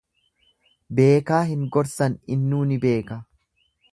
Beekaa hin gorsan innuu ni beeka.